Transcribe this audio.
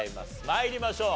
参りましょう。